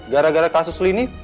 gara gara kasus ini